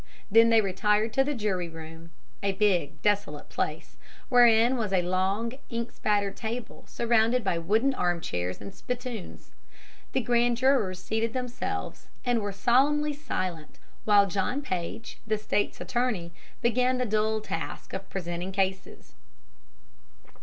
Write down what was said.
Then they retired to the jury room a big, desolate place, wherein was a long, ink spattered table surrounded by wooden armchairs and spittoons. The grand jurors seated themselves, and were solemnly silent while John Paige, the state's attorney, began the dull task of presenting cases.